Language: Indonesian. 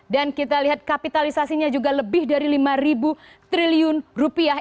dan kita lihat kapitalisasinya juga lebih dari lima triliun rupiah